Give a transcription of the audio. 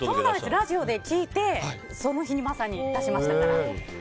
ラジオで聞いてその日にまさに出しましたから。